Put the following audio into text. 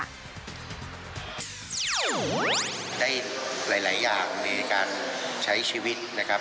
ได้หลายอย่างในการใช้ชีวิตนะครับ